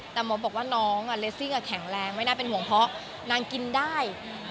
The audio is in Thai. แต่หมอบอกว่าน้องเลสซิ่งแข็งแรงไม่น่าเป็นห่วงเพราะนางกินได้